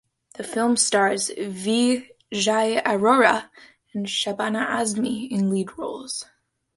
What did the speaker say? The film stars Vijay Arora and Shabana Azmi in lead roles.